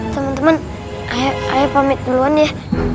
temen temen ayo pamit duluan ya